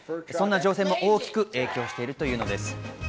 そんな情勢も大きく影響しているというのです。